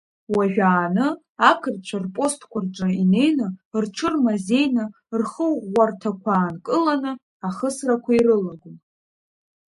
Уажәааны ақырҭцәа рпостқәа рҿы инеины рҽырмазеины рхыӷәӷәарҭақәа аанкыланы ахысрақәа ирылагон.